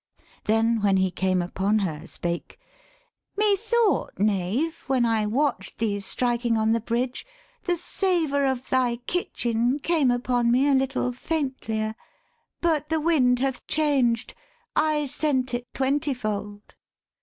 Then when he came upon her, spake, ' Methought, Knave, when I watch'd thee striking on the bridge The savor of thy kitchen came upon me A little faintlier: but the wind hath changed: I scent it twentyfold.'